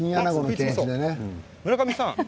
村上さん